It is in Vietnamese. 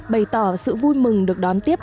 bày tỏ sự vui mừng được đón tiếp